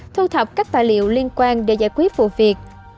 thu thập các tài liệu liên quan để giải quyết vụ việc